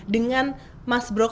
dengan mas bro ks sang saja bergabung